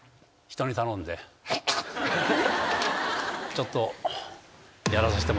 ちょっと。